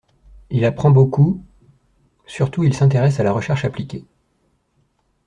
Il apprend beaucoup surtout il s'intéresse à la recherche appliquée.